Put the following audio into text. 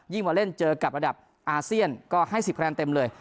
ยิ่งว่าเล่นเจอกับระดับอาเซียนก็ให้๑๐แปรงเต็มเลย